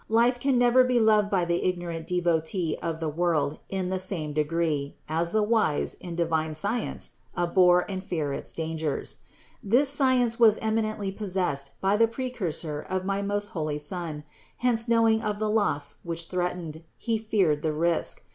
Life can never be loved by the ignorant devotee of the world in the same degree, as the wise, in divine science, abhor and fear its dangers. This science was eminently possessed by the Precursor of my most holy Son; hence knowing of the loss which threatened, he feared the risk.